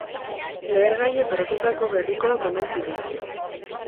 Lehergaiez osatutako gerrikoak omen zituzten.